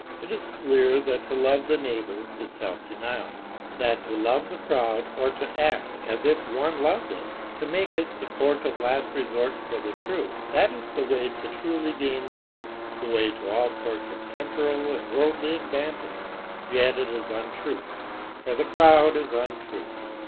It is clear that to love the neighbor is self denial, that to love the crowd or to act as if one loved it, to make it the court of last resort for "the truth," that is the way to truly gain power, the way to all sorts of temporal and worldly advantage yet it is untruth; for the crowd is untruth.